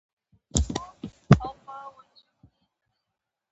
• د ژوند د ارزښت پوهېدو ته کښېنه.